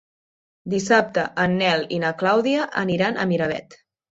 Dissabte en Nel i na Clàudia aniran a Miravet.